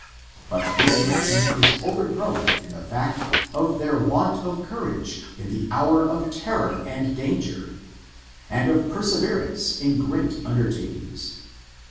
But this notion is overthrown in the fact of their want of ctnaxige in the hour of terror and datiger^ and of perseverance in great undertakings.